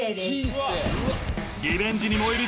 ［リベンジに燃える